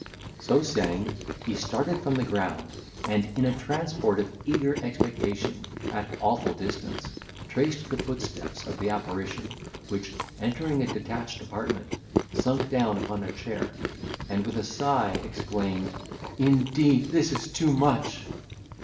So saying, he started from the ground, and, in a transport of eager expectation, at awful distance, traced the footsteps of the apparition, which, entering a detached apartment, sunk down upon a chair, and with a sigh exclaimed, "Indeed, this is too much!"